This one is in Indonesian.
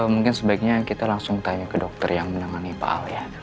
mungkin sebaiknya kita langsung tanya ke dokter yang menangani pak al ya